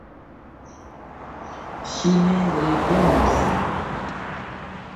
Ŝi ne revenos?